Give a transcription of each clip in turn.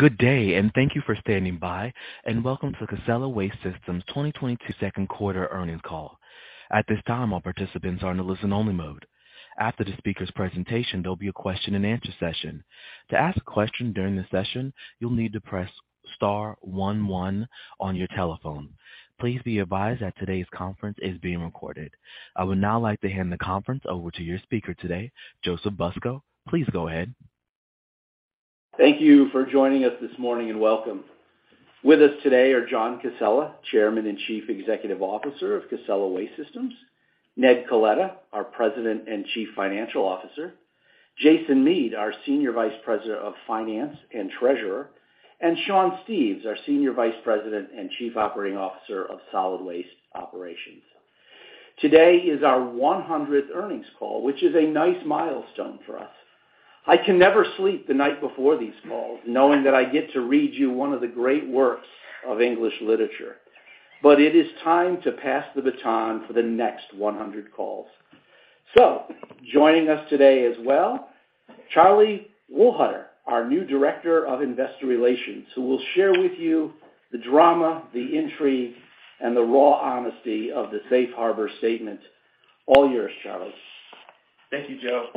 Good day, and thank you for standing by, and welcome to Casella Waste Systems 2022 second quarter earnings call. At this time, all participants are in a listen only mode. After the speaker's presentation, there'll be a question and answer session. To ask a question during the session, you'll need to press star one one on your telephone. Please be advised that today's conference is being recorded. I would now like to hand the conference over to your speaker today, Joseph Fusco. Please go ahead. Thank you for joining us this morning and welcome. With us today are John Casella, Chairman and Chief Executive Officer of Casella Waste Systems, Ned Coletta, our President and Chief Financial Officer, Jason Mead, our Senior Vice President of Finance and Treasurer, and Sean Steves, our Senior Vice President and Chief Operating Officer of Solid Waste Operations. Today is our 100th earnings call, which is a nice milestone for us. I can never sleep the night before these calls, knowing that I get to read you one of the great works of English literature. It is time to pass the baton for the next 100 calls. Joining us today as well, Charlie Wohlhuter, our new Director of Investor Relations, who will share with you the drama, the intrigue, and the raw honesty of the safe harbor statement. All yours, Charlie. Thank you, Joe.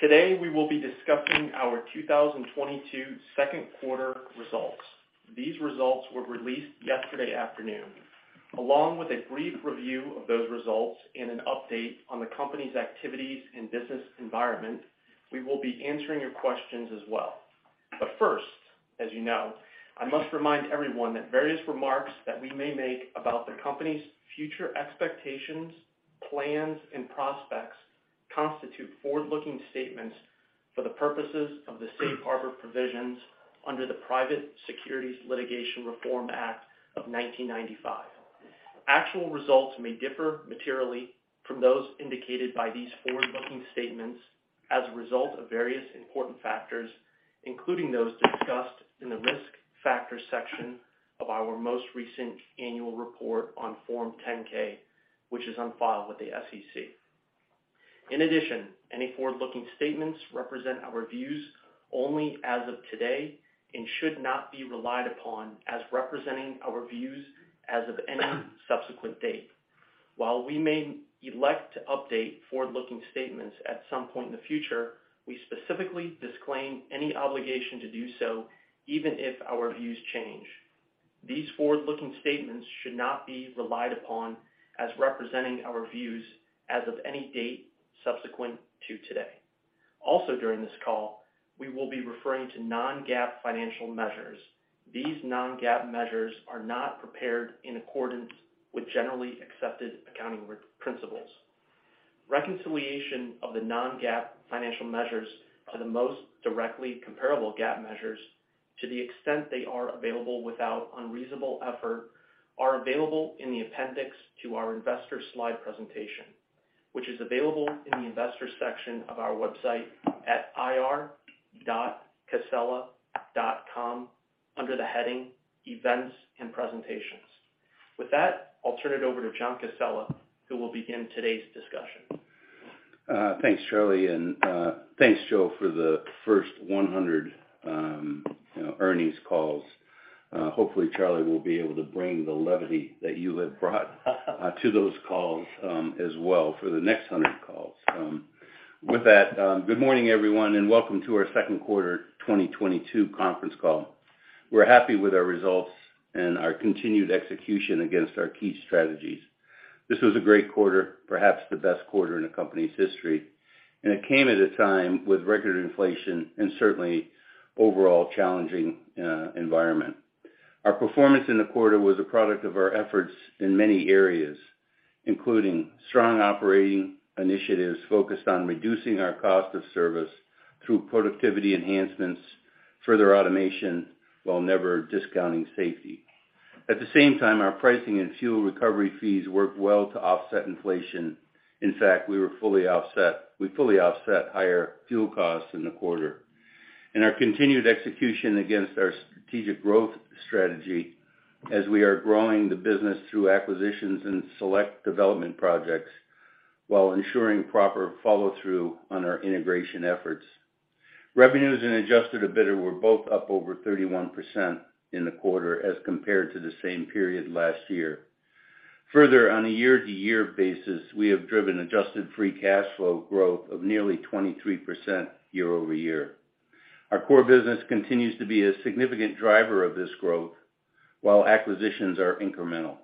Today we will be discussing our 2022 second quarter results. These results were released yesterday afternoon. Along with a brief review of those results and an update on the company's activities and business environment, we will be answering your questions as well. First, as you know, I must remind everyone that various remarks that we may make about the company's future expectations, plans, and prospects constitute forward-looking statements for the purposes of the safe harbor provisions under the Private Securities Litigation Reform Act of 1995. Actual results may differ materially from those indicated by these forward-looking statements as a result of various important factors, including those discussed in the risk factors section of our most recent annual report on Form 10-K, which is on file with the SEC. In addition, any forward-looking statements represent our views only as of today and should not be relied upon as representing our views as of any subsequent date. While we may elect to update forward-looking statements at some point in the future, we specifically disclaim any obligation to do so even if our views change. These forward-looking statements should not be relied upon as representing our views as of any date subsequent to today. Also during this call, we will be referring to non-GAAP financial measures. These non-GAAP measures are not prepared in accordance with generally accepted accounting principles. Reconciliation of the non-GAAP financial measures to the most directly comparable GAAP measures, to the extent they are available without unreasonable effort, are available in the appendix to our investor slide presentation, which is available in the Investor section of our website at ir.casella.com under the heading Events and Presentations. With that, I'll turn it over to John Casella, who will begin today's discussion. Thanks, Charlie, and thanks, Joe, for the first 100 earnings calls. Hopefully Charlie will be able to bring the levity that you have brought to those calls as well for the next 100 calls. With that, good morning, everyone, and welcome to our second quarter 2022 conference call. We're happy with our results and our continued execution against our key strategies. This was a great quarter, perhaps the best quarter in the company's history, and it came at a time with record inflation and certainly overall challenging environment. Our performance in the quarter was a product of our efforts in many areas, including strong operating initiatives focused on reducing our cost of service through productivity enhancements, further automation, while never discounting safety. At the same time, our pricing and fuel recovery fees worked well to offset inflation. In fact, we were fully offset. We fully offset higher fuel costs in the quarter. Our continued execution against our strategic growth strategy as we are growing the business through acquisitions and select development projects while ensuring proper follow-through on our integration efforts. Revenues and adjusted EBITDA were both up over 31% in the quarter as compared to the same period last year. Further, on a year-to-year basis, we have driven adjusted free cash flow growth of nearly 23% year-over-year. Our core business continues to be a significant driver of this growth, while acquisitions are incremental.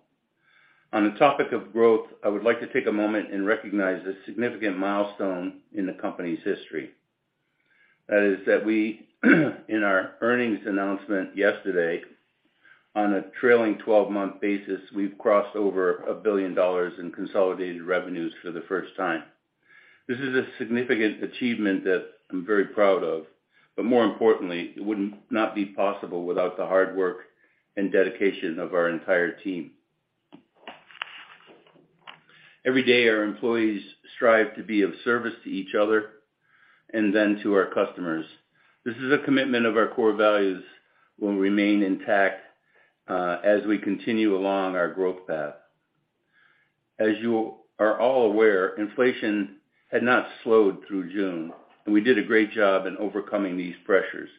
On the topic of growth, I would like to take a moment and recognize a significant milestone in the company's history. That is that we, in our earnings announcement yesterday, on a trailing twelve-month basis, we've crossed over $1 billion in consolidated revenues for the first time. This is a significant achievement that I'm very proud of, but more importantly, it would not be possible without the hard work and dedication of our entire team. Every day, our employees strive to be of service to each other and then to our customers. This is a commitment of our core values will remain intact, as we continue along our growth path. As you are all aware, inflation had not slowed through June, and we did a great job in overcoming these pressures.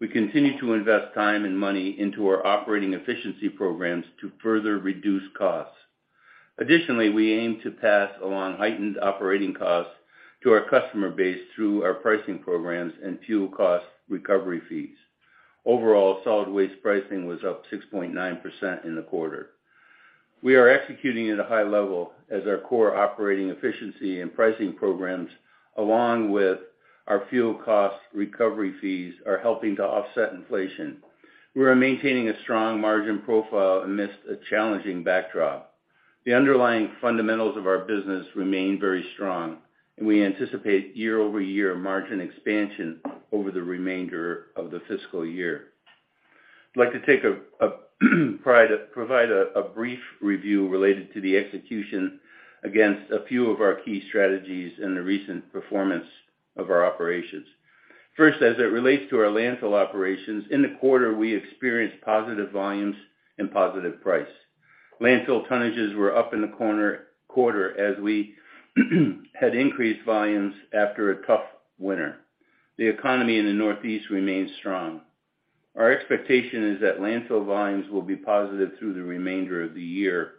We continue to invest time and money into our operating efficiency programs to further reduce costs. Additionally, we aim to pass along heightened operating costs to our customer base through our pricing programs and fuel cost recovery fees. Overall, solid waste pricing was up 6.9% in the quarter. We are executing at a high level as our core operating efficiency and pricing programs, along with our fuel cost recovery fees, are helping to offset inflation. We are maintaining a strong margin profile amidst a challenging backdrop. The underlying fundamentals of our business remain very strong, and we anticipate year-over-year margin expansion over the remainder of the fiscal year. I'd like to try to provide a brief review related to the execution against a few of our key strategies and the recent performance of our operations. First, as it relates to our landfill operations, in the quarter, we experienced positive volumes and positive price. Landfill tonnages were up in the quarter as we had increased volumes after a tough winter. The economy in the Northeast remains strong. Our expectation is that landfill volumes will be positive through the remainder of the year.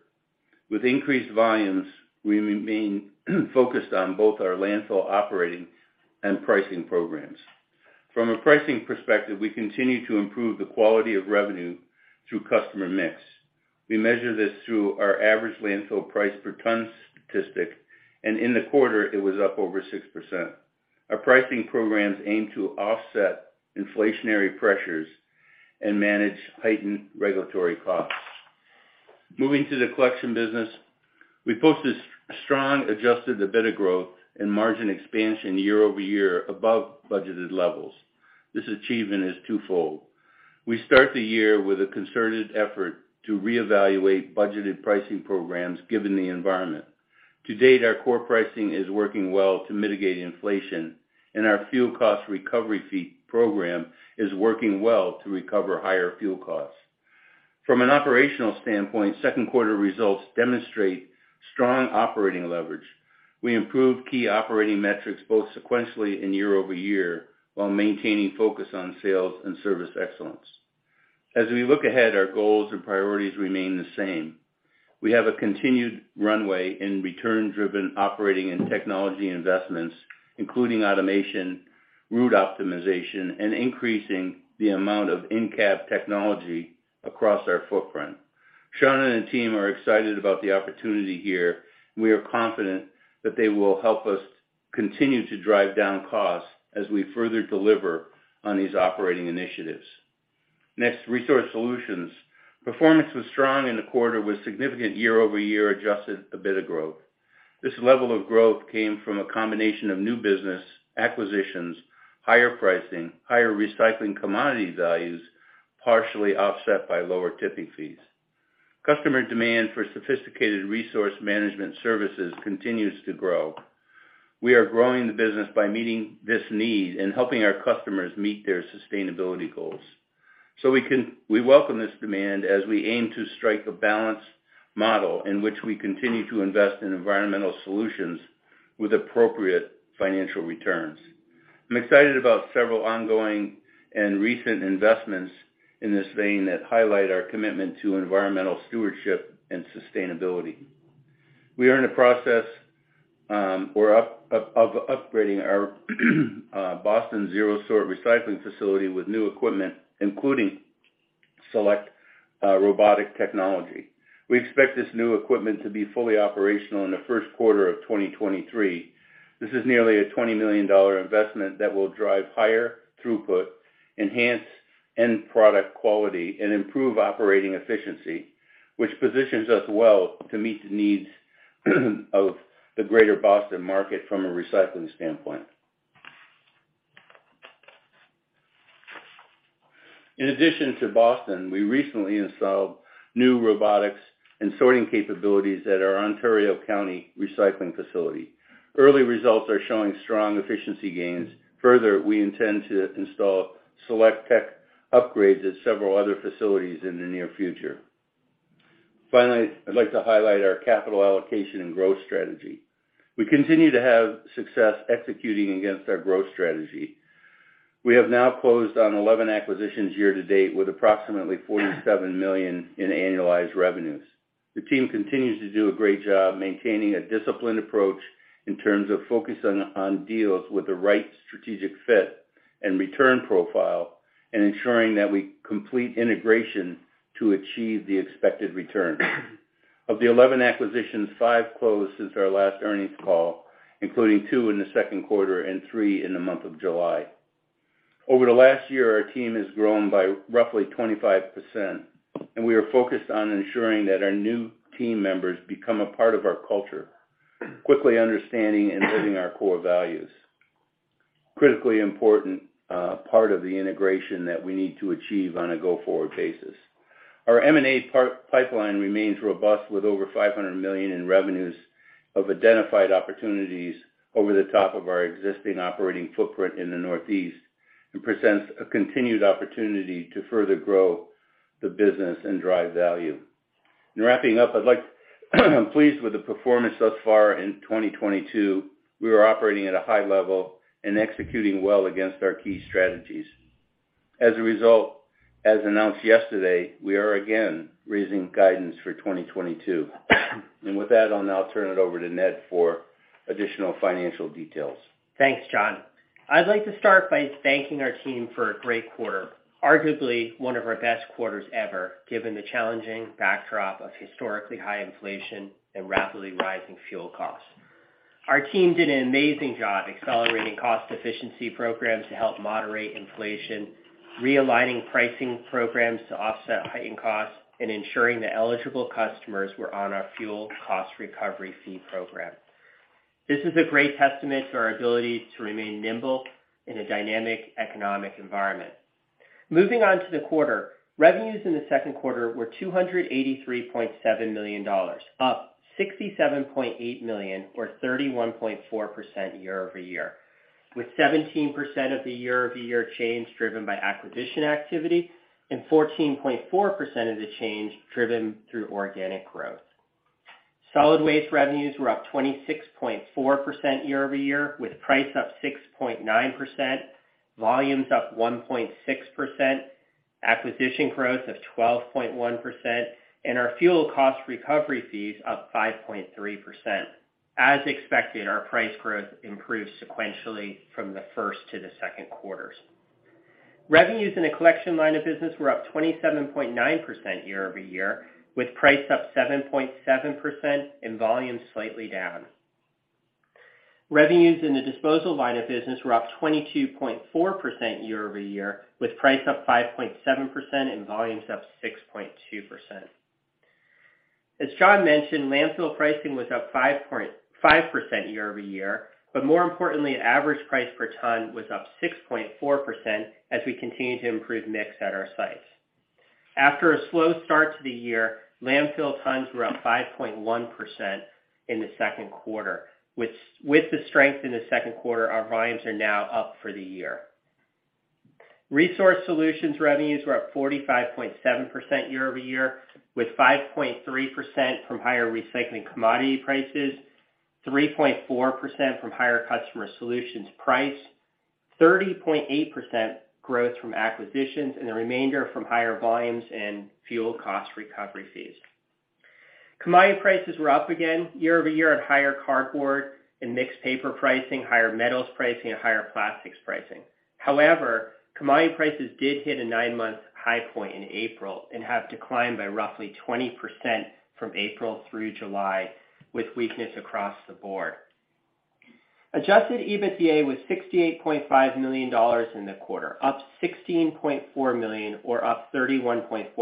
With increased volumes, we remain focused on both our landfill operating and pricing programs. From a pricing perspective, we continue to improve the quality of revenue through customer mix. We measure this through our average landfill price per ton statistic, and in the quarter, it was up over 6%. Our pricing programs aim to offset inflationary pressures and manage heightened regulatory costs. Moving to the collection business, we posted strong adjusted EBITDA growth and margin expansion year-over-year above budgeted levels. This achievement is twofold. We start the year with a concerted effort to reevaluate budgeted pricing programs given the environment. To date, our core pricing is working well to mitigate inflation and our fuel cost recovery fee program is working well to recover higher fuel costs. From an operational standpoint, second quarter results demonstrate strong operating leverage. We improved key operating metrics both sequentially and year-over-year while maintaining focus on sales and service excellence. As we look ahead, our goals and priorities remain the same. We have a continued runway in return-driven operating and technology investments, including automation, route optimization, and increasing the amount of in-cab technology across our footprint. Sean and the team are excited about the opportunity here. We are confident that they will help us continue to drive down costs as we further deliver on these operating initiatives. Next, Resource Solutions. Performance was strong in the quarter with significant year-over-year adjusted EBITDA growth. This level of growth came from a combination of new business acquisitions, higher pricing, higher recycling commodity values, partially offset by lower tipping fees. Customer demand for sophisticated resource management services continues to grow. We are growing the business by meeting this need and helping our customers meet their sustainability goals. We welcome this demand as we aim to strike a balanced model in which we continue to invest in environmental solutions with appropriate financial returns. I'm excited about several ongoing and recent investments in this vein that highlight our commitment to environmental stewardship and sustainability. We are in the process, we're upgrading our Boston Zero-Sort recycling facility with new equipment, including select robotic technology. We expect this new equipment to be fully operational in the first quarter of 2023. This is nearly a $20 million investment that will drive higher throughput, enhance end product quality, and improve operating efficiency, which positions us well to meet the needs of the greater Boston market from a recycling standpoint. In addition to Boston, we recently installed new robotics and sorting capabilities at our Ontario County recycling facility. Early results are showing strong efficiency gains. Further, we intend to install select tech upgrades at several other facilities in the near future. Finally, I'd like to highlight our capital allocation and growth strategy. We continue to have success executing against our growth strategy. We have now closed on 11 acquisitions year-to-date, with approximately $47 million in annualized revenues. The team continues to do a great job maintaining a disciplined approach in terms of focusing on deals with the right strategic fit and return profile and ensuring that we complete integration to achieve the expected return. Of the 11 acquisitions, five closed since our last earnings call, including two in the second quarter and three in the month of July. Over the last year, our team has grown by roughly 25%, and we are focused on ensuring that our new team members become a part of our culture, quickly understanding and living our core values. Critically important part of the integration that we need to achieve on a go-forward basis. Our M&A pipeline remains robust with over $500 million in revenues of identified opportunities over the top of our existing operating footprint in the Northeast, and presents a continued opportunity to further grow the business and drive value. In wrapping up, I'm pleased with the performance thus far in 2022. We are operating at a high level and executing well against our key strategies. As a result, as announced yesterday, we are again raising guidance for 2022. With that, I'll now turn it over to Ned for additional financial details. Thanks, John. I'd like to start by thanking our team for a great quarter, arguably one of our best quarters ever, given the challenging backdrop of historically high inflation and rapidly rising fuel costs. Our team did an amazing job accelerating cost efficiency programs to help moderate inflation, realigning pricing programs to offset heightened costs, and ensuring that eligible customers were on our fuel cost recovery fee program. This is a great testament to our ability to remain nimble in a dynamic economic environment. Moving on to the quarter. Revenues in the second quarter were $283.7 million, up $67.8 million or 31.4% year-over-year, with 17% of the year-over-year change driven by acquisition activity and 14.4% of the change driven through organic growth. Solid Waste revenues were up 26.4% year-over-year, with price up 6.9%, volumes up 1.6%, acquisition growth of 12.1%, and our fuel cost recovery fees up 5.3%. As expected, our price growth improved sequentially from the first to the second quarters. Revenues in the collection line of business were up 27.9% year-over-year, with price up 7.7% and volume slightly down. Revenues in the disposal line of business were up 22.4% year-over-year, with price up 5.7% and volumes up 6.2%. As John mentioned, landfill pricing was up 5.5% year-over-year, but more importantly, average price per ton was up 6.4% as we continue to improve mix at our sites. After a slow start to the year, landfill tons were up 5.1% in the second quarter. With the strength in the second quarter, our volumes are now up for the year. Resource Solutions revenues were up 45.7% year-over-year, with 5.3% from higher recycling commodity prices, 3.4% from higher customer solutions price, 30.8% growth from acquisitions, and the remainder from higher volumes and fuel cost recovery fees. Commodity prices were up again year-over-year on higher cardboard and mixed paper pricing, higher metals pricing, and higher plastics pricing. However, commodity prices did hit a nine-month high point in April and have declined by roughly 20% from April through July, with weakness across the board. Adjusted EBITDA was $68.5 million in the quarter, up $16.4 million or up 31.4%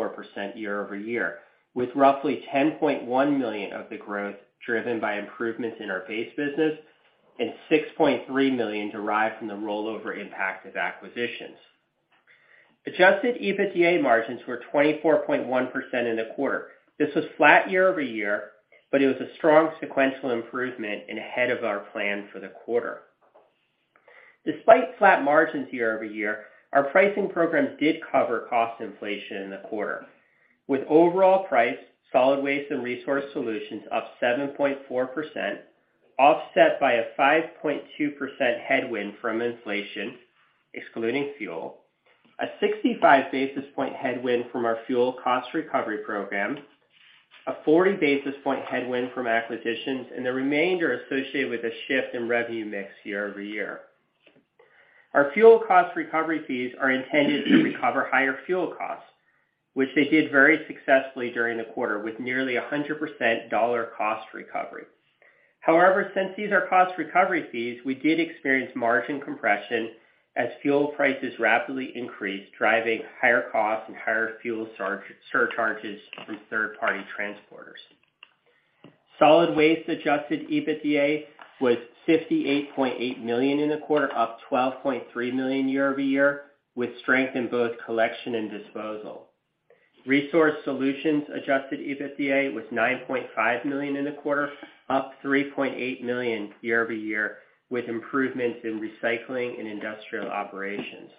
year-over-year, with roughly $10.1 million of the growth driven by improvements in our base business and $6.3 million derived from the rollover impact of acquisitions. Adjusted EBITDA margins were 24.1% in the quarter. This was flat year-over-year, but it was a strong sequential improvement and ahead of our plan for the quarter. Despite flat margins year-over-year, our pricing programs did cover cost inflation in the quarter, with overall price, Solid Waste and Resource Solutions up 7.4%, offset by a 5.2% headwind from inflation, excluding fuel. A 65 basis point headwind from our fuel cost recovery program, a 40 basis point headwind from acquisitions, and the remainder associated with a shift in revenue mix year-over-year. Our fuel cost recovery fees are intended to recover higher fuel costs, which they did very successfully during the quarter with nearly 100% dollar cost recovery. However, since these are cost recovery fees, we did experience margin compression as fuel prices rapidly increased, driving higher costs and higher fuel surcharges from third-party transporters. Solid Waste adjusted EBITDA was $58.8 million in the quarter, up $12.3 million year-over-year, with strength in both collection and disposal. Resource Solutions adjusted EBITDA was $9.5 million in the quarter, up $3.8 million year-over-year, with improvements in recycling and industrial operations.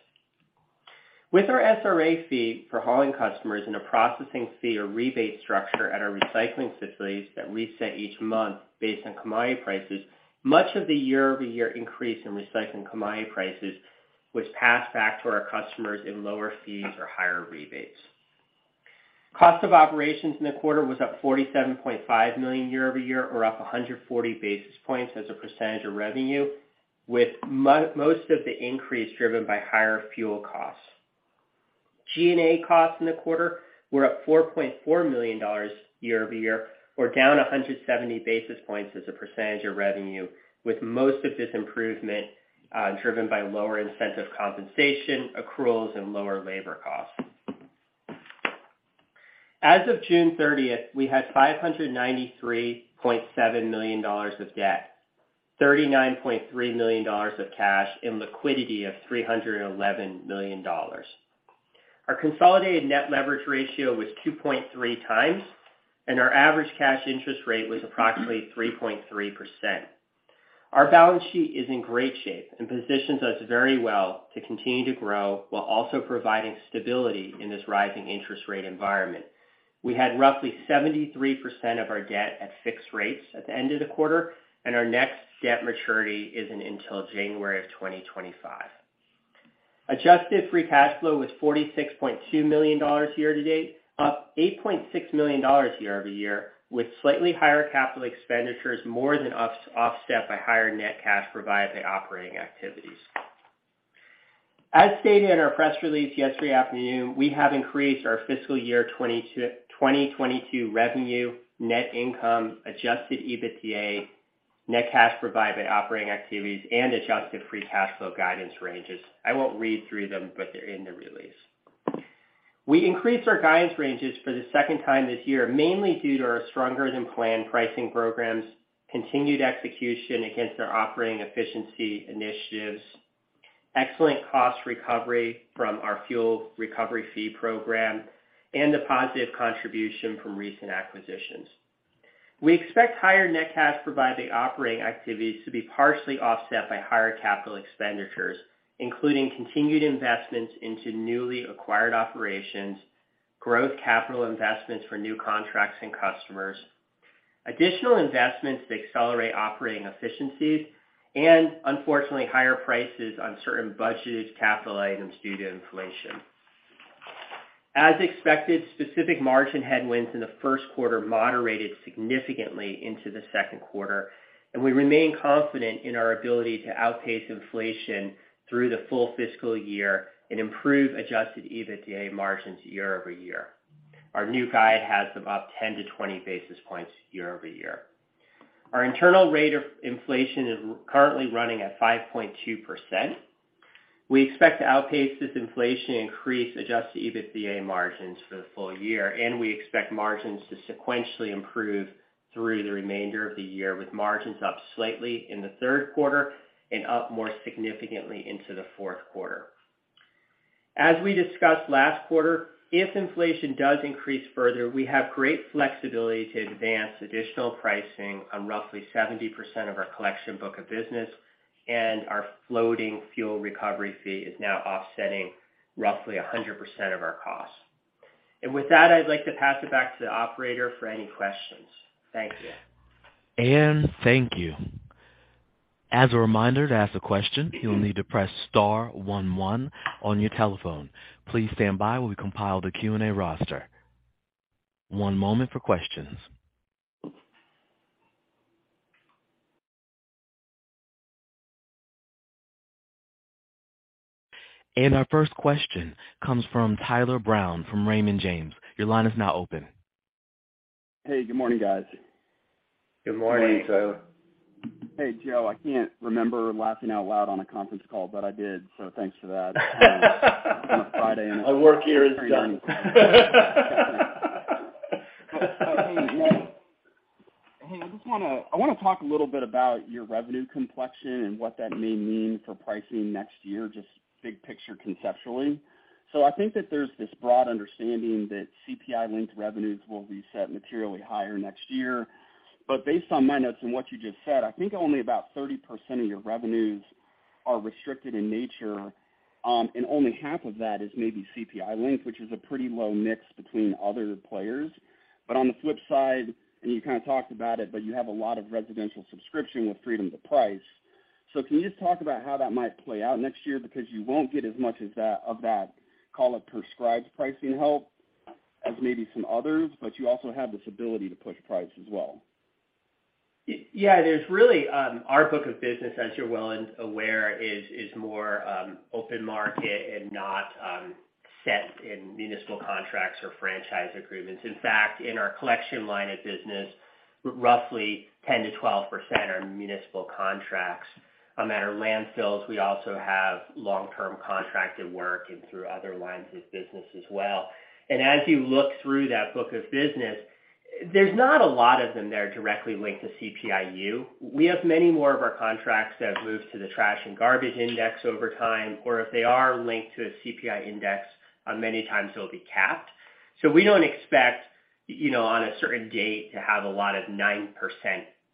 With our SRA fee for hauling customers and a processing fee or rebate structure at our recycling facilities that reset each month based on commodity prices, much of the year-over-year increase in recycling commodity prices was passed back to our customers in lower fees or higher rebates. Cost of operations in the quarter was up $47.5 million year-over-year or up 140 basis points as a percentage of revenue, with most of the increase driven by higher fuel costs. G&A costs in the quarter were up $4.4 million year-over-year or down 170 basis points as a percentage of revenue, with most of this improvement driven by lower incentive compensation, accruals, and lower labor costs. As of June 30th, we had $593.7 million of debt, $39.3 million of cash, and liquidity of $311 million. Our consolidated net leverage ratio was 2.3x, and our average cash interest rate was approximately 3.3%. Our balance sheet is in great shape and positions us very well to continue to grow while also providing stability in this rising interest rate environment. We had roughly 73% of our debt at fixed rates at the end of the quarter, and our next debt maturity isn't until January of 2025. Adjusted free cash flow was $46.2 million year-to-date, up $8.6 million year-over-year, with slightly higher capital expenditures more than offset by higher net cash provided by operating activities. As stated in our press release yesterday afternoon, we have increased our fiscal year 2022 revenue, net income, adjusted EBITDA, net cash provided by operating activities, and adjusted free cash flow guidance ranges. I won't read through them, but they're in the release. We increased our guidance ranges for the second time this year, mainly due to our stronger than planned pricing programs, continued execution against our operating efficiency initiatives, excellent cost recovery from our fuel cost recovery fee program, and the positive contribution from recent acquisitions. We expect higher net cash provided by operating activities to be partially offset by higher capital expenditures, including continued investments into newly acquired operations, growth capital investments for new contracts and customers, additional investments to accelerate operating efficiencies, and unfortunately, higher prices on certain budgeted capital items due to inflation. As expected, specific margin headwinds in the first quarter moderated significantly into the second quarter, and we remain confident in our ability to outpace inflation through the full fiscal year and improve adjusted EBITDA margins year-over-year. Our new guide has about 10-20 basis points year-over-year. Our internal rate of inflation is currently running at 5.2%. We expect to outpace this inflation increase adjusted EBITDA margins for the full year, and we expect margins to sequentially improve through the remainder of the year, with margins up slightly in the third quarter and up more significantly into the fourth quarter. As we discussed last quarter, if inflation does increase further, we have great flexibility to advance additional pricing on roughly 70% of our collection book of business, and our floating fuel recovery fee is now offsetting roughly 100% of our costs. With that, I'd like to pass it back to the operator for any questions. Thank you. Thank you. As a reminder to ask a question, you'll need to press star one one on your telephone. Please stand by while we compile the Q&A roster. One moment for questions. Our first question comes from Tyler Brown from Raymond James. Your line is now open. Hey, good morning, guys. Good morning, Tyler. Hey, Joe, I can't remember laughing out loud on a conference call, but I did, so thanks for that. My work here is done. Hey, I just wanna talk a little bit about your revenue complexion and what that may mean for pricing next year, just big picture conceptually. I think that there's this broad understanding that CPI-linked revenues will be set materially higher next year. Based on my notes and what you just said, I think only about 30% of your revenues are restricted in nature, and only half of that is maybe CPI-linked, which is a pretty low mix between other players. On the flip side, and you kinda talked about it, you have a lot of residential subscription with freedom to price. Can you just talk about how that might play out next year? Because you won't get as much as that of that, call it prescribed pricing help as maybe some others, but you also have this ability to push price as well. Yeah, there's really our book of business, as you're well aware, is more open market and not set in municipal contracts or franchise agreements. In fact, in our collection line of business, roughly 10%-12% are municipal contracts. On that are landfills. We also have long-term contracted work and through other lines of business as well. As you look through that book of business, there's not a lot of them that are directly linked to CPI-U. We have many more of our contracts that have moved to the trash and garbage index over time, or if they are linked to a CPI index, many times they'll be capped. We don't expect, you know, on a certain date to have a lot of 9%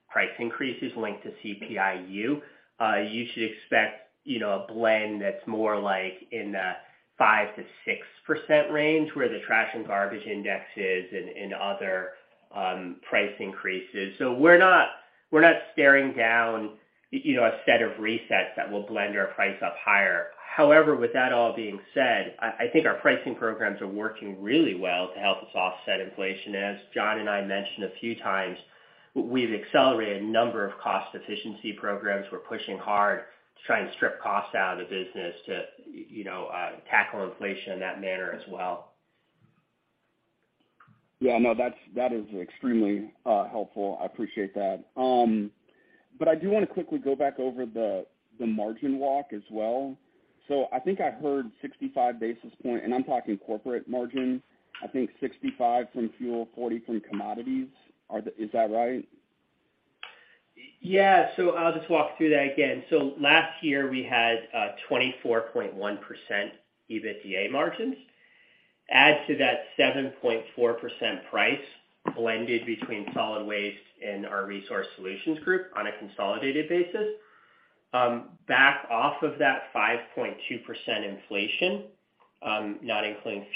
price increases linked to CPI-U. You should expect, you know, a blend that's more like in the 5%-6% range, where the trash and garbage index is and other price increases. We're not staring down, you know, a set of resets that will blend our price up higher. However, with that all being said, I think our pricing programs are working really well to help us offset inflation. As John and I mentioned a few times, we've accelerated a number of cost efficiency programs. We're pushing hard to try and strip costs out of the business to, you know, tackle inflation in that manner as well. Yeah. No, that's, that is extremely helpful. I appreciate that. But I do wanna quickly go back over the margin walk as well. I think I heard 65 basis points, and I'm talking corporate margin. I think 65 from fuel, 40 from commodities. Is that right? Yeah. I'll just walk through that again. Last year, we had 24.1% EBITDA margins. Add to that 7.4% price blended between Solid Waste and our Resource Solutions group on a consolidated basis. Back off of that 5.2% inflation, not including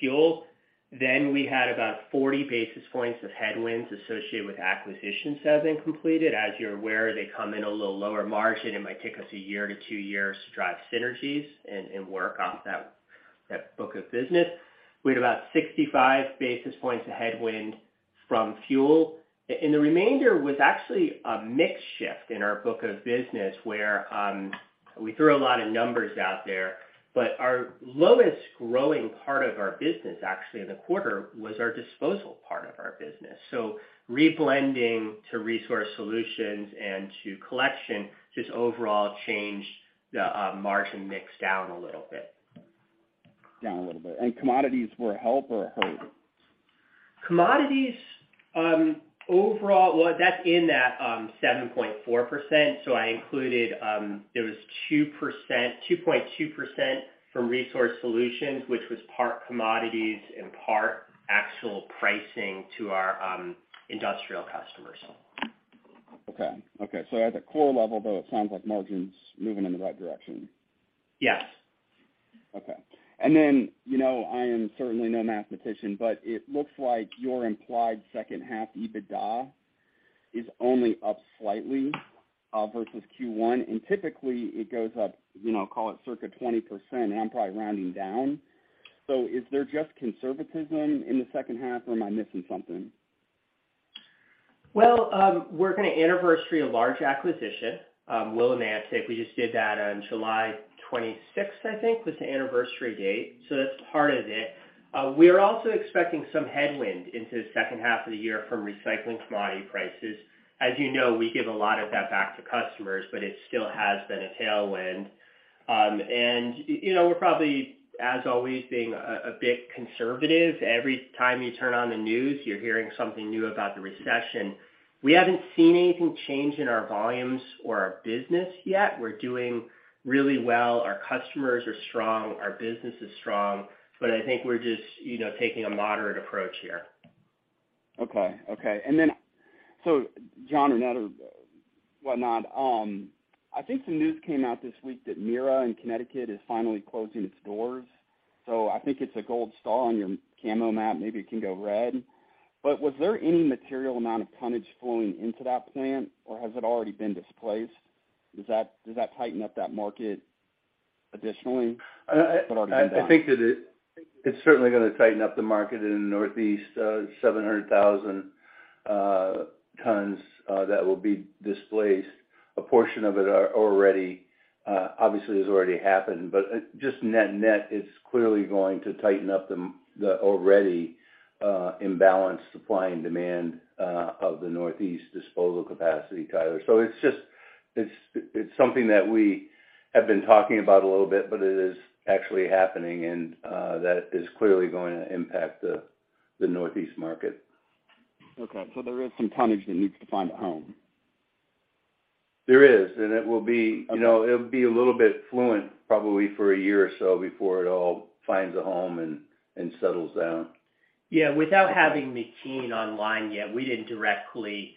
fuel. We had about 40 basis points of headwinds associated with acquisitions as they completed. As you're aware, they come in a little lower margin. It might take us a year to two years to drive synergies and work off that book of business. We had about 65 basis points of headwind from fuel. The remainder was actually a mix shift in our book of business where we threw a lot of numbers out there, but our lowest growing part of our business, actually, in the quarter was our disposal part of our business. Reblending to Resource Solutions and to collection just overall changed the margin mix down a little bit. Down a little bit. Commodities were a help or a hurt? Commodities, overall. Well, that's in that 7.4%, so I included, there was 2.2% from Resource Solutions, which was part commodities and part actual pricing to our industrial customers. Okay. At the core level, though, it sounds like margin's moving in the right direction. Yes. Okay. You know, I am certainly no mathematician, but it looks like your implied second half EBITDA is only up slightly versus Q1. Typically, it goes up, you know, call it circa 20%, and I'm probably rounding down. Is there just conservatism in the second half, or am I missing something? We're gonna anniversary a large acquisition, Willimantic. We just did that on July 26th, I think, was the anniversary date. That's part of it. We're also expecting some headwind into the second half of the year from recycling commodity prices. As you know, we give a lot of that back to customers, but it still has been a tailwind. You know, we're probably, as always, being a bit conservative. Every time you turn on the news, you're hearing something new about the recession. We haven't seen anything change in our volumes or our business yet. We're doing really well. Our customers are strong. Our business is strong, but I think we're just, you know, taking a moderate approach here. Okay. John or Ned or whatnot, I think some news came out this week that MIRA in Connecticut is finally closing its doors. I think it's a gold star on your comp map, maybe it can go red. Was there any material amount of tonnage flowing into that plant, or has it already been displaced? Does that tighten up that market additionally or already done? I think that it's certainly gonna tighten up the market in the Northeast, 700,000 tons that will be displaced. A portion of it are already obviously has already happened. Just net-net, it's clearly going to tighten up the already imbalanced supply and demand of the Northeast disposal capacity, Tyler. It's just—it's something that we have been talking about a little bit, but it is actually happening and that is clearly going to impact the Northeast market. Okay. There is some tonnage that needs to find a home. There is, and it will be. Okay. You know, it'll be a little bit fluent probably for a year or so before it all finds a home and settles down. Yeah. Without having McKean online yet, we didn't directly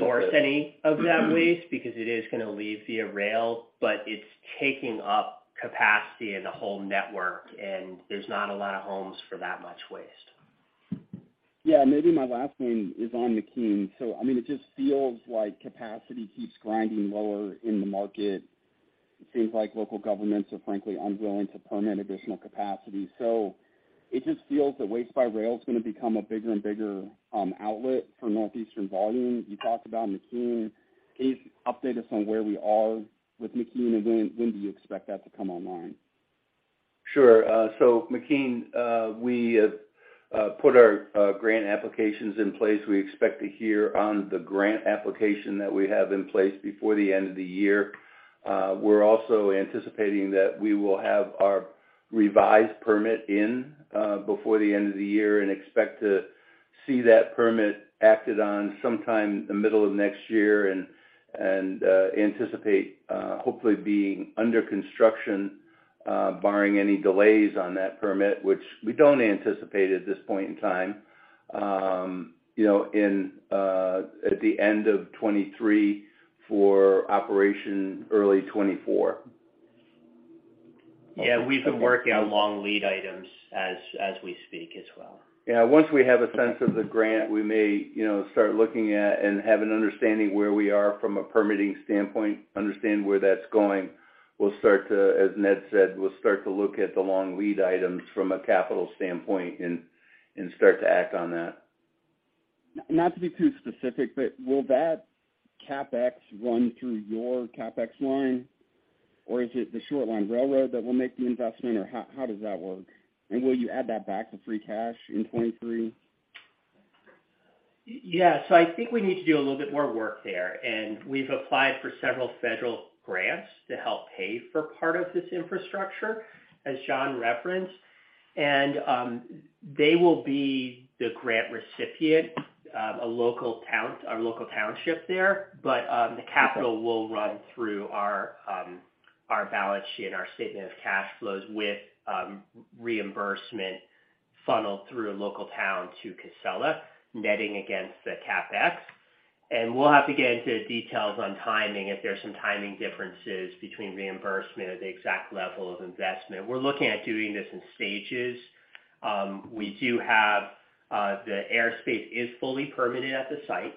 source any of that waste because it is gonna leave via rail, but it's taking up capacity in the whole network, and there's not a lot of homes for that much waste. Yeah. Maybe my last one is on McKean. I mean, it just feels like capacity keeps grinding lower in the market. It seems like local governments are frankly unwilling to permit additional capacity. It just feels that waste by rail is gonna become a bigger and bigger outlet for Northeastern volume. You talked about McKean. Can you update us on where we are with McKean, and when do you expect that to come online? Sure. We put our grant applications in place. We expect to hear on the grant application that we have in place before the end of the year. We're also anticipating that we will have our revised permit in before the end of the year and expect to see that permit acted on sometime in the middle of next year and anticipate hopefully being under construction barring any delays on that permit, which we don't anticipate at this point in time, you know, and at the end of 2023 for operation early 2024. Yeah. We've been working on long lead items as we speak as well. Yeah. Once we have a sense of the grant, we may, you know, start looking at and have an understanding where we are from a permitting standpoint, understand where that's going. We'll start to, as Ned said, look at the long lead items from a capital standpoint and start to act on that. Not to be too specific, but will that CapEx run through your CapEx line, or is it the short line railroad that will make the investment, or how does that work? Will you add that back to free cash in 2023? Yes. I think we need to do a little bit more work there. We've applied for several federal grants to help pay for part of this infrastructure, as John referenced. They will be the grant recipient of a local town, our local township there. The capital will run through our balance sheet and our statement of cash flows with reimbursement funneled through a local town to Casella, netting against the CapEx. We'll have to get into details on timing if there's some timing differences between reimbursement or the exact level of investment. We're looking at doing this in stages. We do have the airspace is fully permitted at the site.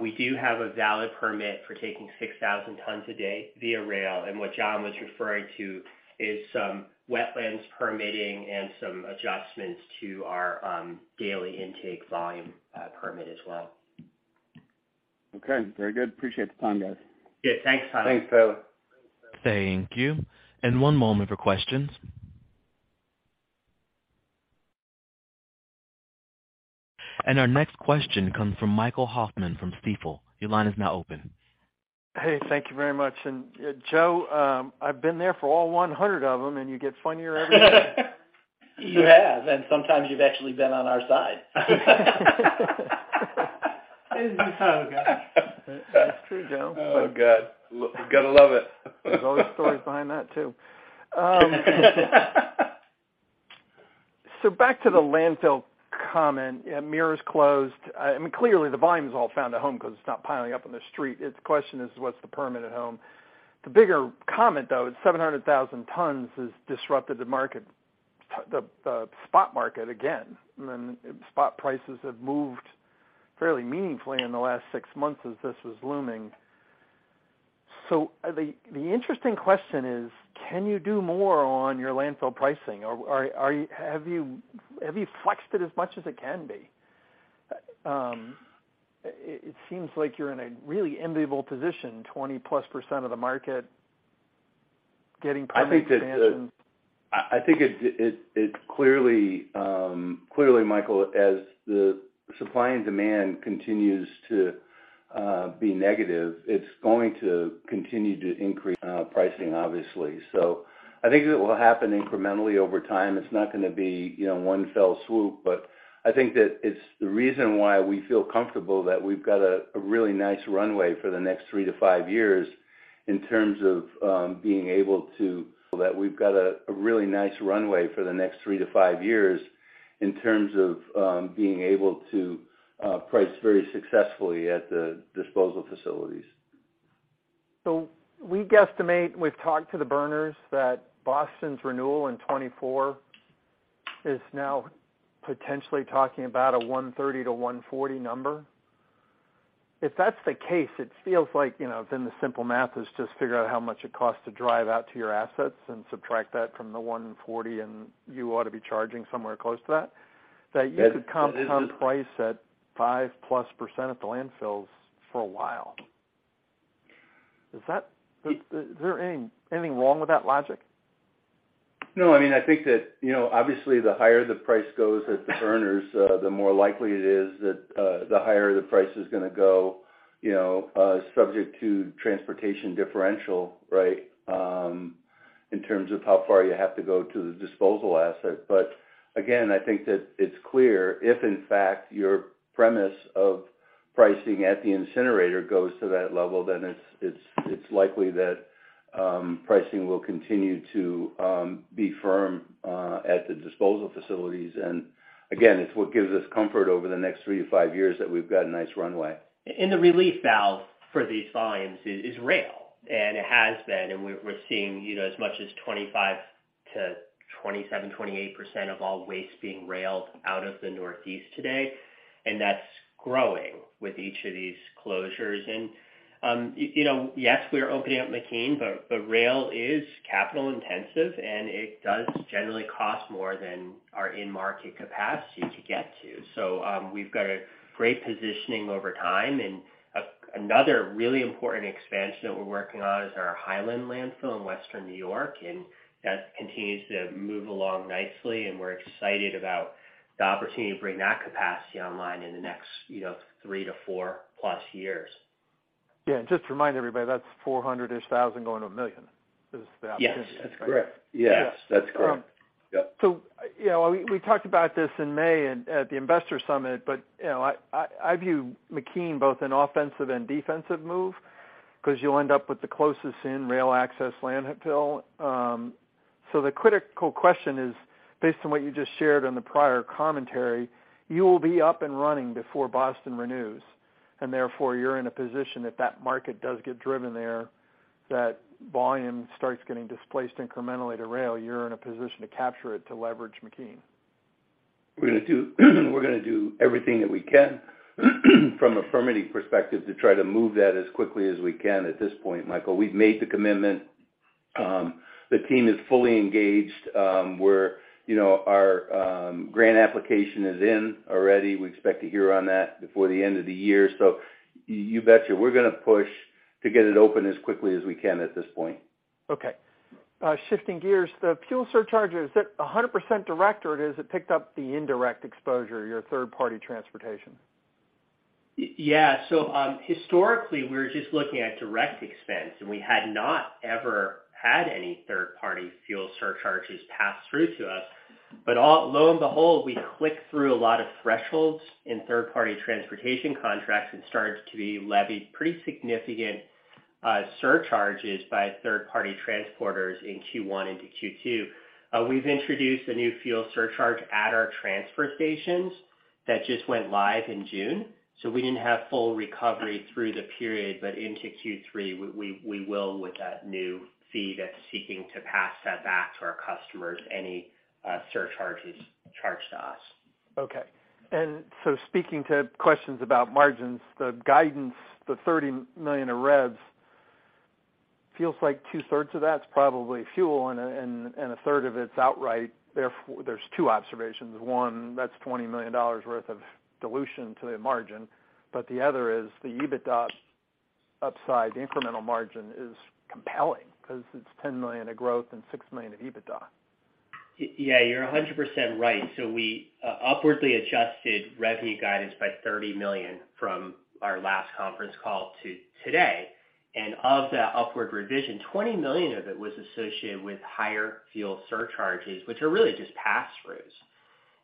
We do have a valid permit for taking 6,000 tons a day via rail. What John was referring to is some wetlands permitting and some adjustments to our daily intake volume permit as well. Okay, very good. Appreciate the time, guys. Yeah, thanks, Tyler. Thanks, Tyler. Thank you. One moment for questions. Our next question comes from Michael Hoffman from Stifel. Your line is now open. Hey, thank you very much. Joe, I've been there for all 100 of them, and you get funnier every day. You have, and sometimes you've actually been on our side. Isn't this how it goes? That's true, Joe. Oh, God. Gotta love it. There's always stories behind that, too. Back to the landfill comment, MIRA's closed. I mean, clearly, the volume is all found at home because it's not piling up on the street. The question is, what's permitted at home? The bigger comment, though, is 700,000 tons has disrupted the market, the spot market again. Spot prices have moved fairly meaningfully in the last six months as this was looming. The interesting question is, can you do more on your landfill pricing or have you flexed it as much as it can be? It seems like you're in a really enviable position, 20%+ of the market getting permit expansion. I think it clearly, Michael, as the supply and demand continues to be negative, it's going to continue to increase pricing, obviously. I think it will happen incrementally over time. It's not gonna be, you know, one fell swoop, but I think that it's the reason why we feel comfortable that we've got a really nice runway for the next 3-5 years in terms of being able to price very successfully at the disposal facilities. We guesstimate, we've talked to the burners that Boston's renewal in 2024 is now potentially talking about a $130-$140 number. If that's the case, it feels like, you know, then the simple math is just figure out how much it costs to drive out to your assets and subtract that from the $140, and you ought to be charging somewhere close to that. That you could comp price at 5%+ at the landfills for a while. Is there anything wrong with that logic? No. I mean, I think that, you know, obviously, the higher the price goes at the burners, the more likely it is that, the higher the price is gonna go, you know, subject to transportation differential, right? In terms of how far you have to go to the disposal asset. Again, I think that it's clear if in fact, your premise of pricing at the incinerator goes to that level, then it's likely that, pricing will continue to, be firm, at the disposal facilities. Again, it's what gives us comfort over the next 3-5 years that we've got a nice runway. The relief valve for these volumes is rail, and it has been. We're seeing, you know, as much as 25%-28% of all waste being railed out of the Northeast today, and that's growing with each of these closures. You know, yes, we are opening up McKean, but rail is capital intensive, and it does generally cost more than our in-market capacity to get to. We've got a great positioning over time. Another really important expansion that we're working on is our Highland landfill in Western New York, and that continues to move along nicely, and we're excited about the opportunity to bring that capacity online in the next, you know, 3-4+ years. Yeah. Just to remind everybody, that's 400,000-ish going to 1 million is the opportunity. Yes. That's correct. Yes. That's correct. Yep. you know, we talked about this in May at the Investor Summit, but, you know, I view McKean both an offensive and defensive move because you'll end up with the closest in rail access landfill. The critical question is, based on what you just shared on the prior commentary, you will be up and running before Boston renews, and therefore, you're in a position if that market does get driven there, that volume starts getting displaced incrementally to rail, you're in a position to capture it to leverage McKean. We're gonna do everything that we can from a permitting perspective to try to move that as quickly as we can at this point, Michael. We've made the commitment. The team is fully engaged. We're, you know, our grant application is in already. We expect to hear on that before the end of the year. You betcha, we're gonna push to get it open as quickly as we can at this point. Okay. Shifting gears, the fuel surcharge, is that 100% direct, or is it picked up the indirect exposure, your third-party transportation? Yeah. Historically, we were just looking at direct expense, and we had not ever had any third-party fuel surcharges passed through to us. Lo and behold, we clicked through a lot of thresholds in third-party transportation contracts and started to be levied pretty significant surcharges by third-party transporters in Q1 into Q2. We've introduced a new fuel surcharge at our transfer stations that just went live in June, so we didn't have full recovery through the period. Into Q3, we will with that new fee that's seeking to pass that back to our customers any surcharges charged to us. Okay. Speaking to questions about margins, the guidance, the $30 million of revs feels like two thirds of that's probably fuel and a third of it's outright. Therefore, there are two observations. One, that's $20 million worth of dilution to the margin, but the other is the EBITDA upside. The incremental margin is compelling because it's $10 million of growth and $6 million of EBITDA. Yeah, you're 100% right. We upwardly adjusted revenue guidance by $30 million from our last conference call to today. Of that upward revision, $20 million of it was associated with higher fuel surcharges, which are really just pass-throughs.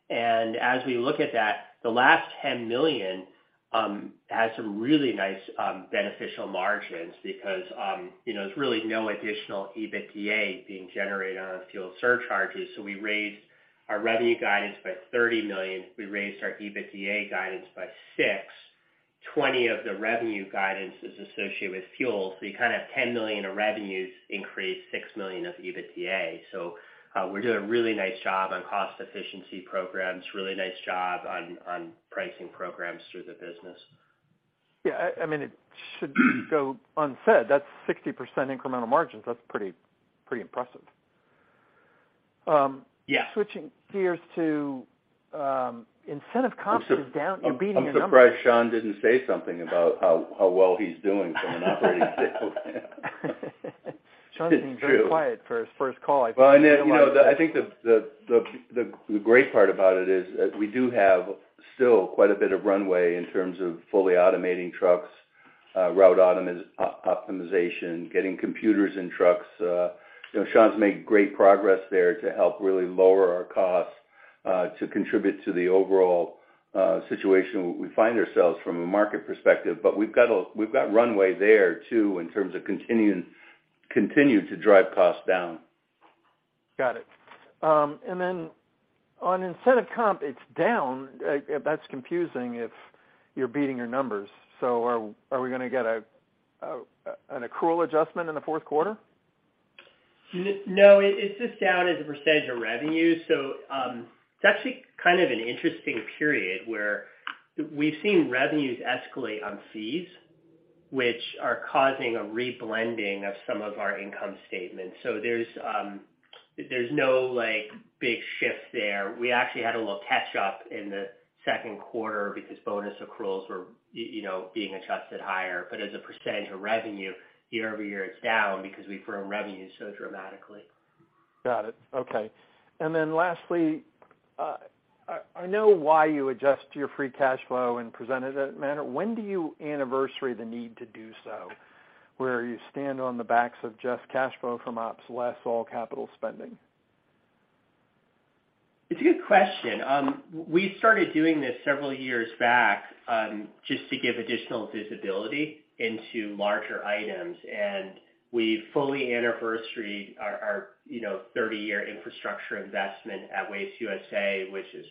As we look at that, the last $10 million has some really nice beneficial margins because you know, there's really no additional EBITDA being generated on fuel surcharges. We raised our revenue guidance by $30 million. We raised our EBITDA guidance by $6 million. $20 million of the revenue guidance is associated with fuel. You kind of have $10 million of revenues increase $6 million of EBITDA. We're doing a really nice job on cost efficiency programs. Really nice job on pricing programs through the business. Yeah, I mean, it should go unsaid that's 60% incremental margins. That's pretty impressive. Yeah. Switching gears to incentive comp is down. You're beating your numbers. I'm surprised Sean didn't say something about how well he's doing from an operating standpoint. Sean's being very quiet for his first call. Well, you know, I think the great part about it is we do have still quite a bit of runway in terms of fully automating trucks, route optimization, getting computers in trucks. You know, Sean has made great progress there to help really lower our costs, to contribute to the overall situation we find ourselves from a market perspective. We've got runway there too in terms of continuing to drive costs down. Got it. On incentive comp, it's down. That's confusing if you're beating your numbers. Are we gonna get an accrual adjustment in the fourth quarter? No, it's just down as a percentage of revenue. It's actually kind of an interesting period where we've seen revenues escalate on fees which are causing a reblending of some of our income statements. There's no, like, big shift there. We actually had a little catch up in the second quarter because bonus accruals were, you know, being adjusted higher. As a percentage of revenue year-over-year, it's down because we've grown revenue so dramatically. Got it. Okay. Lastly, I know why you adjust your free cash flow and presented it. When do you anniversary the need to do so, where you stand versus just cash flow from ops less all capital spending? It's a good question. We started doing this several years back, just to give additional visibility into larger items. We fully anniversary our you know 30-year infrastructure investment at Waste USA, which has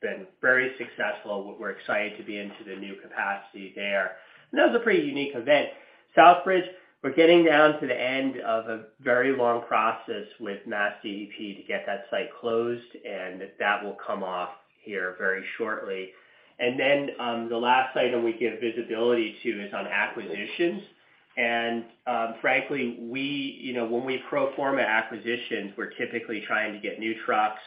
been very successful. We're excited to be into the new capacity there. That was a pretty unique event. Southbridge, we're getting down to the end of a very long process with MassDEP to get that site closed, and that will come off here very shortly. Then the last item we give visibility to is on acquisitions. Frankly, we you know when we pro forma acquisitions, we're typically trying to get new trucks,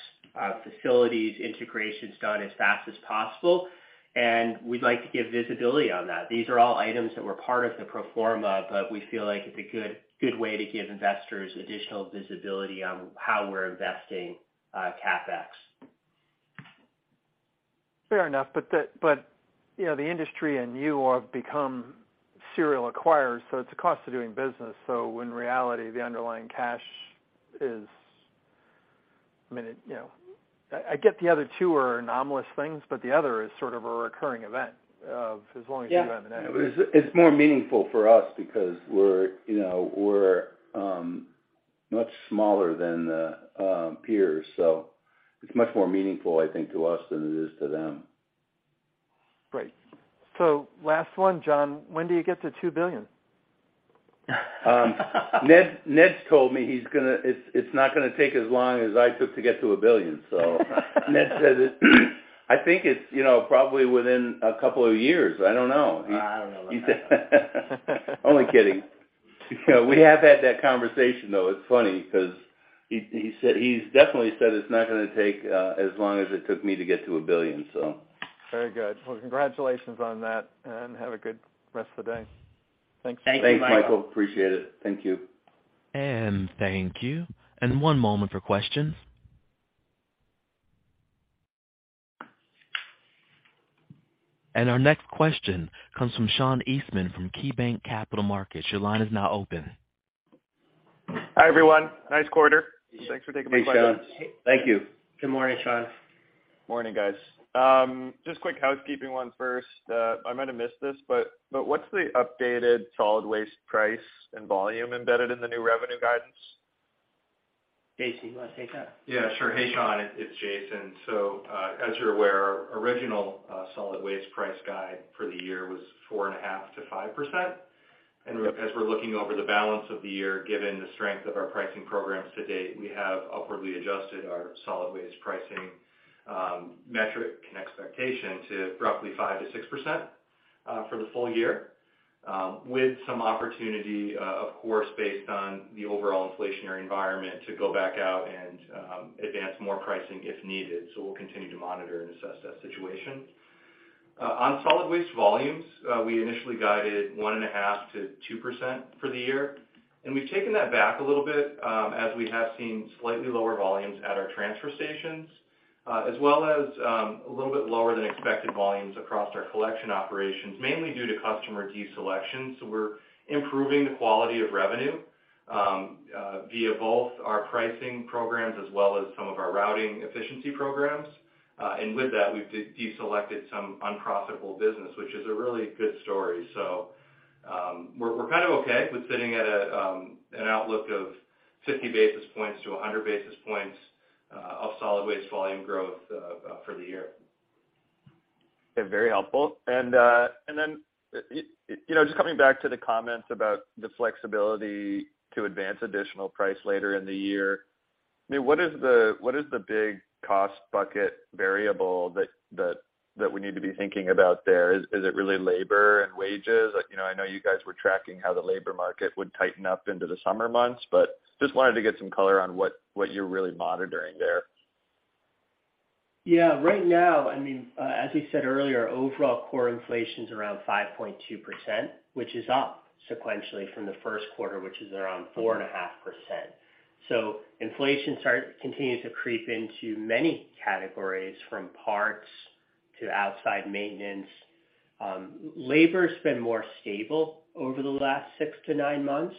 facilities, integrations done as fast as possible, and we'd like to give visibility on that. These are all items that were part of the pro forma, but we feel like it's a good way to give investors additional visibility on how we're investing, CapEx. Fair enough. You know, the industry and you have become serial acquirers, so it's a cost of doing business. In reality, the underlying cash is. I mean, you know. I get the other two are anomalous things, but the other is sort of a recurring event of as long as you have an- It's more meaningful for us because we're, you know, much smaller than the peers. It's much more meaningful, I think, to us than it is to them. Great. Last one, John. When do you get to $2 billion? Ned's told me it's not gonna take as long as I took to get to $1 billion. Ned says it. I think it's, you know, probably within a couple of years. I don't know. I don't know. Only kidding. You know, we have had that conversation, though. It's funny because he said, he's definitely said it's not gonna take as long as it took me to get to a billion, so. Very good. Well, congratulations on that, and have a good rest of the day. Thanks. Thank you, Michael. Thanks, Michael. Appreciate it. Thank you. Thank you. One moment for questions. Our next question comes from Sean Eastman from KeyBanc Capital Markets. Your line is now open. Hi, everyone. Nice quarter. Thanks for taking my questions. Hey, Sean. Thank you. Good morning, Sean. Morning, guys. Just quick housekeeping item first. I might have missed this, but what's the updated solid waste price and volume embedded in the new revenue guidance? Jason, you wanna take that? Yeah, sure. Hey, Sean, it's Jason. As you're aware, our original solid waste pricing guidance for the year was 4.5%-5%. As we're looking over the balance of the year, given the strength of our pricing programs to date, we have upwardly adjusted our solid waste pricing metric and expectation to roughly 5%-6% for the full year, with some opportunity, of course, based on the overall inflationary environment to go back out and advance more pricing if needed. We'll continue to monitor and assess that situation. On solid waste volumes, we initially guided 1.5%-2% for the year, and we've taken that back a little bit, as we have seen slightly lower volumes at our transfer stations, as well as a little bit lower than expected volumes across our collection operations, mainly due to customer deselection. We're improving the quality of revenue via both our pricing programs as well as some of our routing efficiency programs. And with that, we've deselected some unprofitable business, which is a really good story. We're kind of okay with sitting at an outlook of 50 basis points to 100 basis points of solid waste volume growth for the year. Okay, very helpful. Then, you know, just coming back to the comments about the flexibility to advance additional price later in the year, I mean, what is the big cost bucket variable that we need to be thinking about there? Is it really labor and wages? You know, I know you guys were tracking how the labor market would tighten up into the summer months, but just wanted to get some color on what you're really monitoring there. Yeah. Right now, I mean, as you said earlier, overall core inflation's around 5.2%, which is up sequentially from the first quarter, which is around 4.5%. Inflation continues to creep into many categories from parts to outside maintenance. Labor's been more stable over the last six to nine months.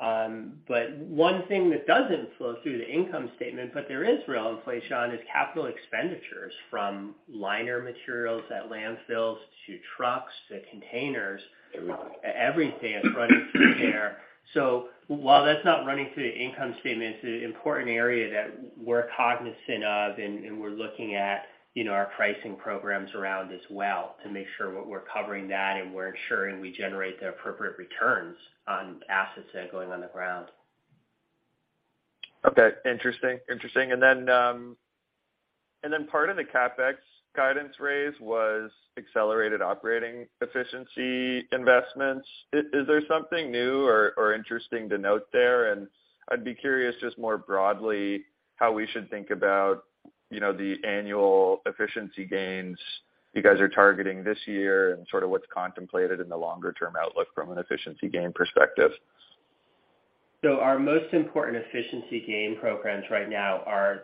One thing that doesn't flow through the income statement, but there is real inflation, is capital expenditures from liner materials at landfills to trucks to containers. Everything is running through there. While that's not running through the income statement, it's an important area that we're cognizant of and we're looking at, you know, our pricing programs around as well to make sure what we're covering that and we're ensuring we generate the appropriate returns on assets that are going on the ground. Okay. Interesting. Part of the CapEx guidance raise was accelerated operating efficiency investments. Is there something new or interesting to note there? I'd be curious just more broadly how we should think about, you know, the annual efficiency gains you guys are targeting this year and sort of what's contemplated in the longer term outlook from an efficiency gain perspective. Our most important efficiency gain programs right now are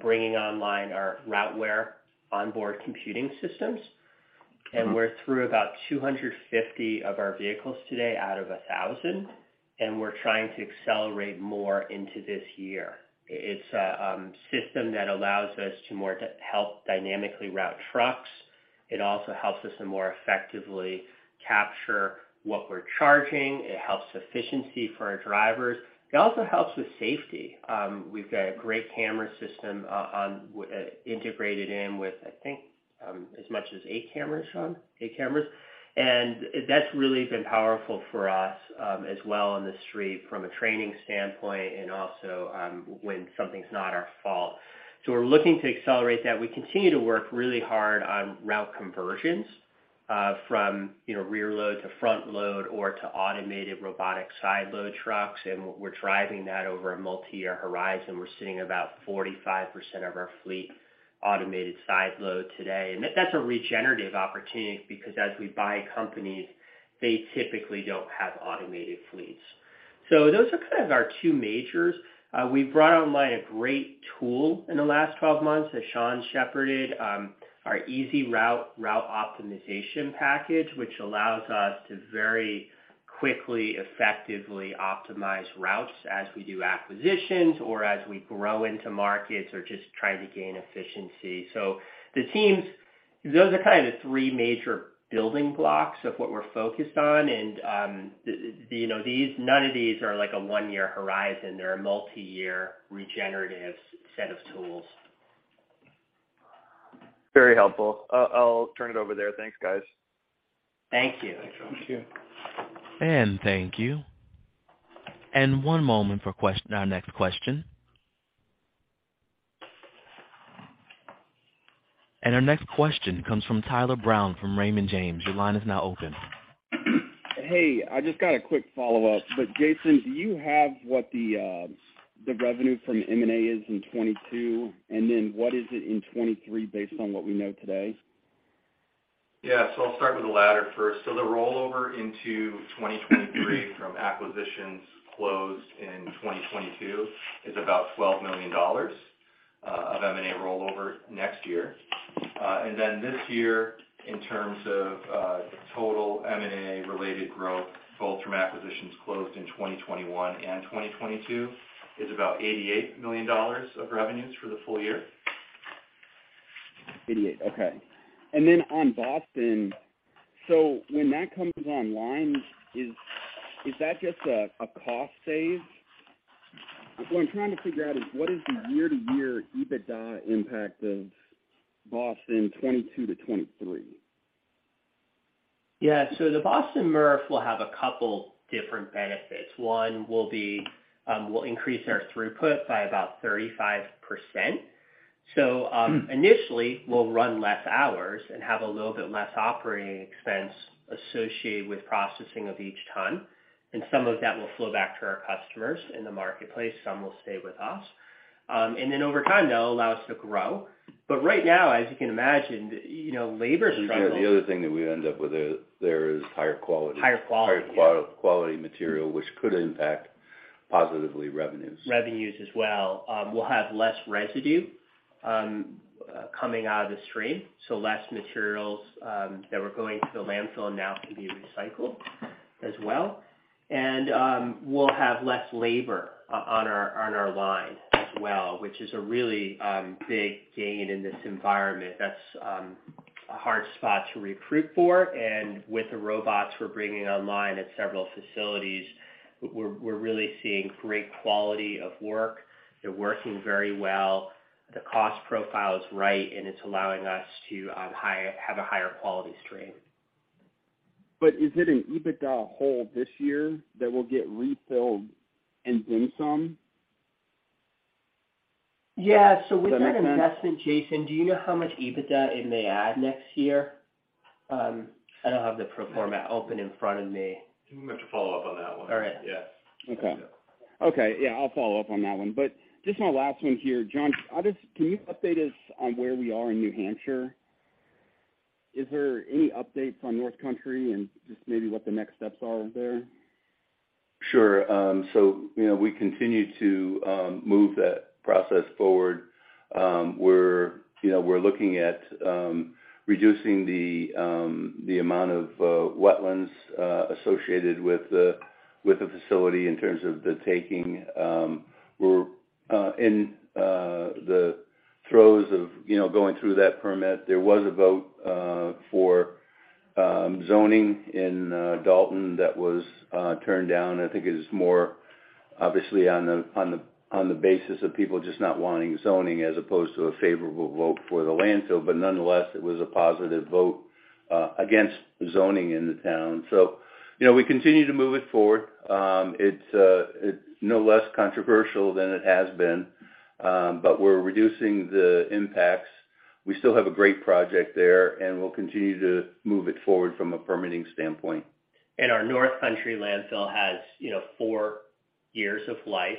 bringing online our Routeware onboard computing systems. We're through about 250 of our vehicles today out of 1,000, and we're trying to accelerate more into this year. It's a system that allows us to more to help dynamically route trucks. It also helps us to more effectively capture what we're charging. It helps efficiency for our drivers. It also helps with safety. We've got a great camera system on integrated in with I think as much as eight cameras, Sean? Eight cameras. That's really been powerful for us as well on the street from a training standpoint and also when something's not our fault. We're looking to accelerate that. We continue to work really hard on route conversions from you know rear load to front load or to automated robotic side load trucks. We're driving that over a multiyear horizon. We're sitting about 45% of our fleet automated side load today. That's a regenerative opportunity because as we buy companies, they typically don't have automated fleets. Those are kind of our two majors. We've brought online a great tool in the last 12 months that Sean shepherded our EasyRoute route optimization package, which allows us to very quickly, effectively optimize routes as we do acquisitions or as we grow into markets or just trying to gain efficiency. Those are kind of the three major building blocks of what we're focused on. You know, none of these are like a one-year horizon. They're a multiyear regenerative set of tools. Very helpful. I'll turn it over there. Thanks, guys. Thank you. Thanks, Sean. Thank you. One moment for our next question. Our next question comes from Tyler Brown from Raymond James. Your line is now open. Hey, I just got a quick follow-up. Jason, do you have what the revenue from M&A is in 2022? And then what is it in 2023 based on what we know today? Yeah. I'll start with the latter first. The rollover into 2023 from acquisitions closed in 2022 is about $12 million of M&A rollover next year. And then this year, in terms of total M&A-related growth, both from acquisitions closed in 2021 and 2022, is about $88 million of revenues for the full year. $88 million. Okay. On Boston, so when that comes online, is that just a cost save? What I'm trying to figure out is what is the year-to-year EBITDA impact of Boston 2022 to 2023. The Boston MRF will have a couple different benefits. One will be, we'll increase our throughput by about 35%. Initially, we'll run less hours and have a little bit less operating expense associated with processing of each ton, and some of that will flow back to our customers in the marketplace, some will stay with us. Over time, that'll allow us to grow. Right now, as you can imagine, you know, labor struggles. The other thing that we end up with there is higher quality. Higher quality. Higher quality material, which could impact positively revenues. Revenues as well. We'll have less residue coming out of the stream, so less materials that were going to the landfill now can be recycled as well. We'll have less labor on our line as well, which is a really big gain in this environment. That's a hard spot to recruit for, and with the robots we're bringing online at several facilities, we're really seeing great quality of work. They're working very well. The cost profile is right and it's allowing us to have a higher quality stream. Is it an EBITDA hold this year that will get refilled and then some? Yeah. With that investment, Jason, do you know how much EBITDA it may add next year? I don't have the forecast open in front of me. We'll have to follow up on that one. All right. Yeah. Okay. Yeah, I'll follow up on that one. Just my last one here. John, can you update us on where we are in New Hampshire? Is there any updates on North Country and just maybe what the next steps are there? Sure. You know, we continue to move that process forward. We're, you know, looking at reducing the amount of wetlands associated with the facility in terms of the taking. We're in the throes of, you know, going through that permit. There was a vote for zoning in Dalton that was turned down. I think it was more obviously on the basis of people just not wanting zoning as opposed to a favorable vote for the landfill. Nonetheless, it was a positive vote against zoning in the town. You know, we continue to move it forward. It's no less controversial than it has been, but we're reducing the impacts. We still have a great project there, and we'll continue to move it forward from a permitting standpoint. Our North Country landfill has, you know, four years of life.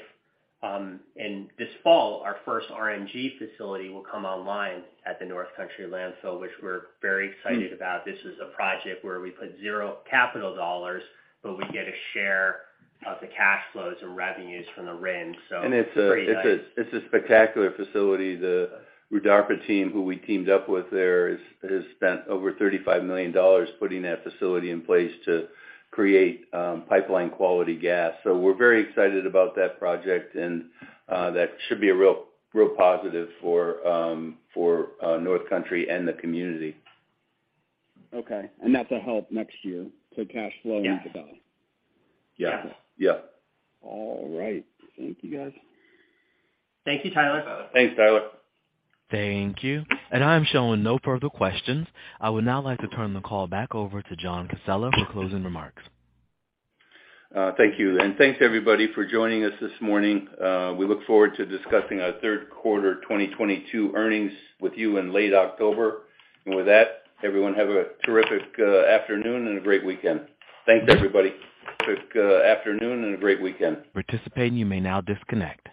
This fall, our first RNG facility will come online at the North Country landfill, which we're very excited about. This is a project where we put zero capital dollars, but we get a share of the cash flows and revenues from the RIN, so pretty nice. It's a spectacular facility. The Rudarpa team, who we teamed up with there, has spent over $35 million putting that facility in place to create pipeline quality gas. We're very excited about that project, and that should be a real positive for North Country and the community. Okay. That's a help next year to cash flow and EBITDA? Yeah. Yeah. All right. Thank you, guys. Thank you, Tyler. Thanks, Tyler. Thank you. I'm showing no further questions. I would now like to turn the call back over to John Casella for closing remarks. Thank you. Thanks everybody for joining us this morning. We look forward to discussing our third quarter 2022 earnings with you in late October. With that, everyone, have a terrific afternoon and a great weekend. Thanks, everybody. Terrific afternoon and a great weekend. Participating, you may now disconnect.